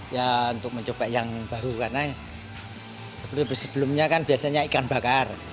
ya untuk mencoba yang baru karena seperti sebelumnya kan biasanya ikan bakar